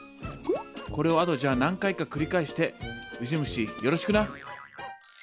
これをあとじゃあ何回か繰り返してウジ虫よろしくな。